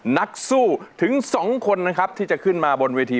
นักสู้ถึง๒คนนะครับที่จะขึ้นมาบนเวที